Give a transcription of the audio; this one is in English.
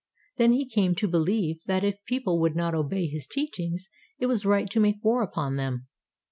Then he came to beUeve that if people would not obey his teachings, it was right to make war upon them.